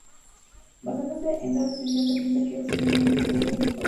Basándose en tal asociación, se piensa que probablemente se trate del mismo concepto.